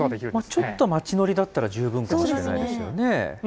ちょっと街乗りだったら十分かもしれないですよね。